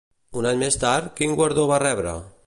Un any més tard, quin guardó va rebre?